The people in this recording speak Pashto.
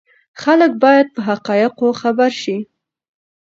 خلک باید په حقایقو خبر شي.